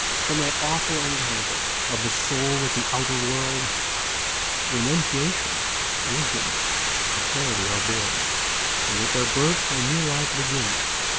From that awful encounter of the soul with the outer world, renunciation, wisdom, and charity are born; and with their birth a new life begins.